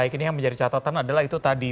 ini yang menjadi catatan adalah itu tadi